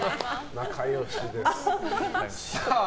仲良しですね。